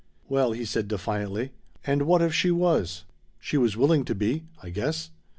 "Well," he said defiantly, "and what if she was? She was willing to be, I guess.